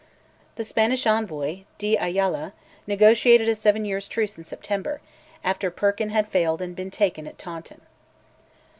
The Spanish envoy, de Ayala, negotiated a seven years' truce in September, after Perkin had failed and been taken at Taunton.